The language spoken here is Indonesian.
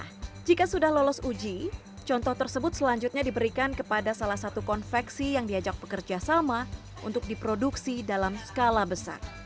nah jika sudah lolos uji contoh tersebut selanjutnya diberikan kepada salah satu konveksi yang diajak bekerja sama untuk diproduksi dalam skala besar